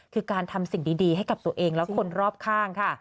คือการทำสิ่งดีให้กับตัวเองและคนรอบข้างค่ะ